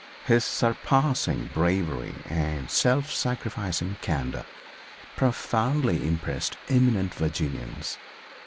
His surpassing bravery and self sacrificing candor profoundly impressed eminent Virginians.